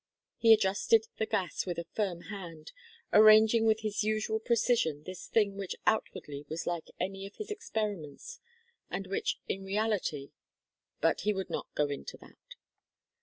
He adjusted the gas with a firm hand, arranging with his usual precision this thing which outwardly was like any of his experiments and which in reality but he would not go into that.